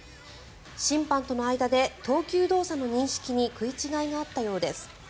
審判との間で投球動作の認識に食い違いがあったようです。